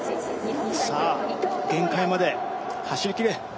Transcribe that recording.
さあ、限界まで走り切れ。